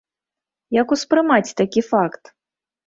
Як успрымаць такі факт?